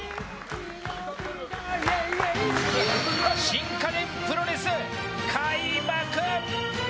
新家電プロレス、開幕！